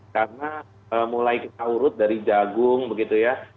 karena mulai kita urut dari jagung begitu ya